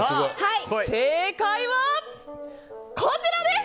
正解は、こちらです！